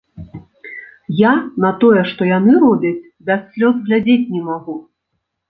Я на тое, што яны робяць, без слёз глядзець не магу.